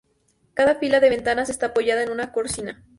Cada fila de ventanas está apoyada en una cornisa.